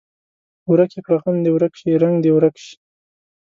ورک یې کړه غم دې ورک شي رنګ دې یې ورک شي.